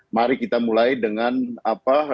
mari kita mulai dengan apa